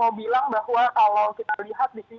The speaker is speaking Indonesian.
saya mau bilang bahwa kalau kita lihat disini